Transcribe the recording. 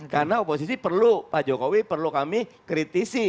karena oposisi perlu pak jokowi perlu kami kritisi